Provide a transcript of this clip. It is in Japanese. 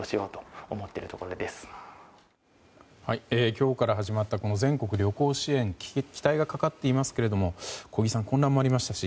今日から始まったこの全国旅行支援期待がかかっていますけども小木さん、混乱もありましたし